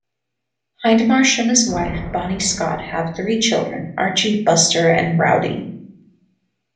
Hindmarsh and his wife Bonnie Scott have three children, Archie, Buster and Rowdie.